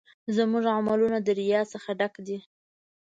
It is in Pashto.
زموږ عملونه د ریا څخه ډک دي.